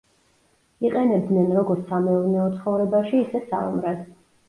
იყენებდნენ როგორც სამეურნეო ცხოვრებაში, ისე საომრად.